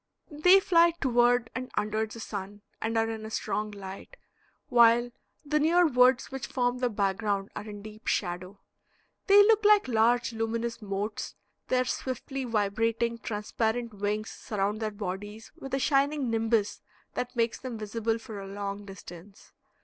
They fly toward and under the sun and are in a strong light, while the near woods which form the background are in deep shadow. They look like large luminous motes. Their swiftly vibrating, transparent wings surround their bodies with a shining nimbus that makes them visible for a long distance.